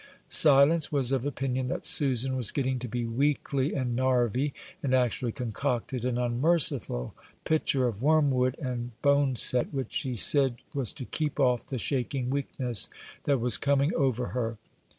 Silence was of opinion that Susan was getting to be "weakly and naarvy," and actually concocted an unmerciful pitcher of wormwood and boneset, which she said was to keep off the "shaking weakness" that was coming over her.